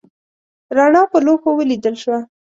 رڼا په لوښو ولیدل شوه.